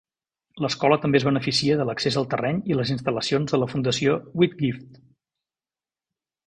L'escola també es beneficia de l'accés al terreny i les instal·lacions de la fundació Whitgift.